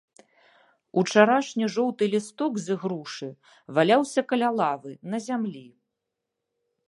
Учарашні жоўты лісток з ігрушы валяўся каля лавы, на зямлі.